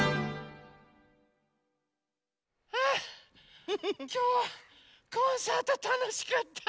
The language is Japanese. あきょうはコンサートたのしかった。